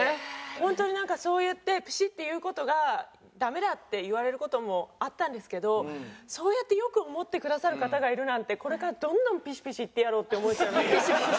ホントにそうやってピシッて言う事がダメだって言われる事もあったんですけどそうやって良く思ってくださる方がいるなんてこれからどんどんピシピシ言ってやろうって思っちゃいますよね。